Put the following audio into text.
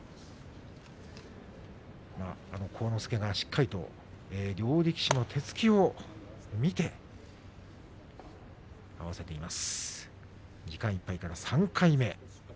晃之助がしっかりと両力士の手つきを見て合わせています。